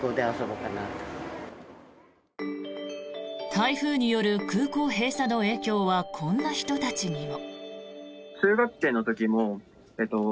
台風による空港閉鎖の影響はこんな人たちにも。